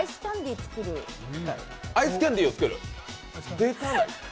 アイスキャンディー作る？